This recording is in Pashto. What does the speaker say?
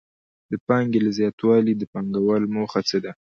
د پانګې له زیاتوالي د پانګوال موخه څه ده